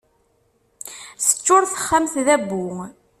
Teččur texxamt d abbu.